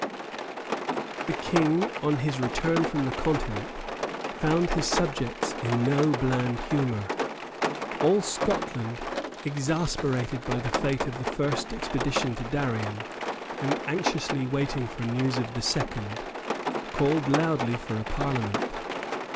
The King, on his return from the Continent, found his subjects in no bland humour. All Scotland, exasperated by the fate of the first expedition to Darien, and anxiously waiting for news of the second, called loudly for a Parliament.